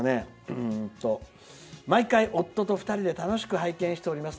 「毎回夫と２人で楽しく拝見しています」。